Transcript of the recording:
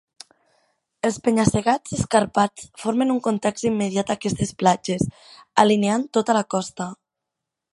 Els penya-segats escarpats formen un context immediat a aquestes platges, alineant tota la costa.